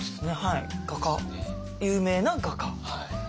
有名な画家。